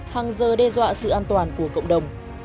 hàng giờ đe dọa sự an toàn của cộng đồng